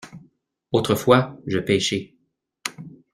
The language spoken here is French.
Autrefois je pêchai.